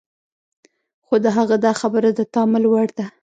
خو د هغه دا خبره د تأمل وړ ده.